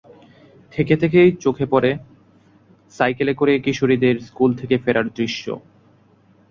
থেকে থেকেই চোখে পড়ে, সাইকেলে করে কিশোরীদের স্কুল থেকে ফেরার দৃশ্য।